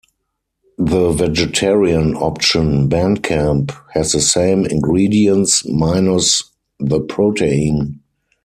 The vegetarian option, band camp, has the same ingredients minus the protein.